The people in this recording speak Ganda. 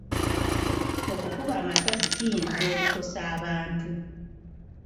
Okukuba amasasi kiyinza okukosa abantu.